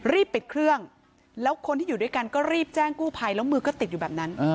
รีบปิดเครื่องแล้วคนที่อยู่ด้วยกันก็รีบแจ้งกู้ภัยแล้วมือก็ติดอยู่แบบนั้น